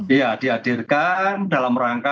iya dihadirkan dalam rangka